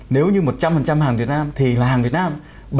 nếu như một trăm linh hàng việt nam thì là hàng việt nam